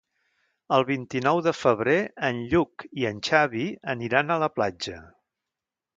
El vint-i-nou de febrer en Lluc i en Xavi aniran a la platja.